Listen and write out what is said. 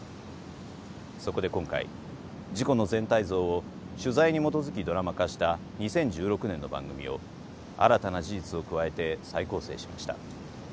そこで今回事故の全体像を取材に基づきドラマ化した２０１６年の番組を新たな事実を加えて再構成しました。